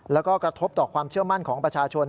แล้วก็กระทบต่อความเชื่อมั่นของประชาชน